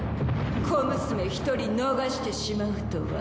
小娘１人逃してしまうとは。